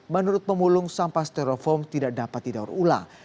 menurut pemulung sampah sterofoam tidak dapat tidur ulang